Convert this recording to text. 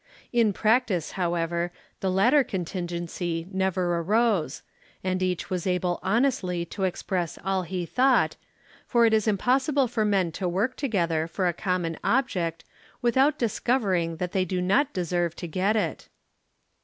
In practice, however, the latter contingency never arose, and each was able honestly to express all he thought, for it is impossible for men to work together for a common object without discovering that they do not deserve to get it.